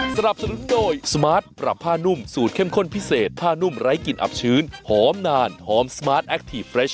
สนับสนุนโดยสมาร์ทปรับผ้านุ่มสูตรเข้มข้นพิเศษผ้านุ่มไร้กลิ่นอับชื้นหอมนานหอมสมาร์ทแอคทีฟเฟรช